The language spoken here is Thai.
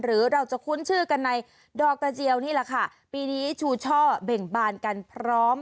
หรือเราจะคุ้นชื่อกันในดอกกระเจียวนี่แหละค่ะปีนี้ชูช่อเบ่งบานกันพร้อม